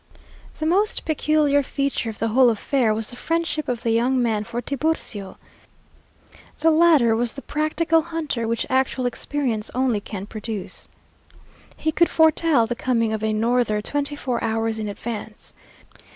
The most peculiar feature of the whole affair was the friendship of the young man for Tiburcio. The latter was the practical hunter, which actual experience only can produce. He could foretell the coming of a norther twenty four hours in advance.